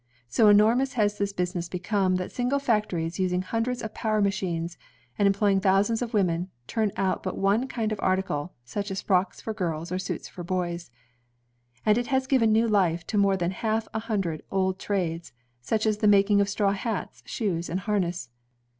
So enormous has this business become that single factories using hundreds of power machines, and employing thousands of women, turn out but one kind of article, such as frocks for girls or suits for boys. And it has given new life to more than half a hundred old trades, such as the making of straw hats, shoes, and harness.